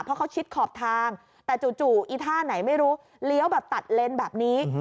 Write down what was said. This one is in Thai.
เพราะเขาชิดขอบทางแต่จู่อีท่าไหนไม่รู้เลี้ยวแบบตัดเลนแบบนี้